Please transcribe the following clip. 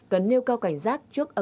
cần nêu cao cảnh giác trước ẩn